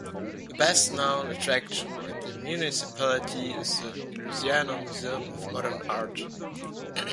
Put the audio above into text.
The best known attraction in the municipality is the Louisiana Museum of Modern Art.